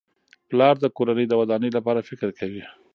پلار د کورنۍ د ودانۍ لپاره فکر کوي.